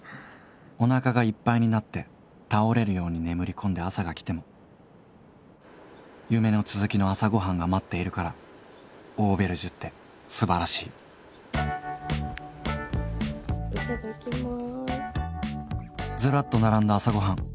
お腹がいっぱいになって倒れるように眠り込んで朝が来ても夢の続きの朝ごはんが待っているからオーベルジュって素晴らしいずらっと並んだ朝ごはん。